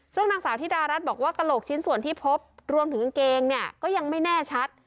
ซึ่งนางสาวธิดารัฐบอกว่ากระโหลกชิ้นส่วนที่พบรวมถึงกางเกงเนี่ยก็ยังไม่แน่ชัด